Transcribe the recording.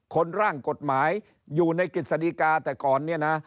ร่างกฎหมายอยู่ในกฤษฎิกาแต่ก่อนเนี่ยนะ